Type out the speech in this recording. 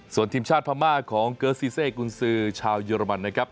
ส่วนทีมชาติพม่าของเกิร์สซีเซกุญซือชาวเยอรมันนะครับ